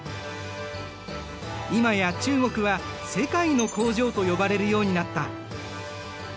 今や中国は世界の工場と呼ばれるようになった。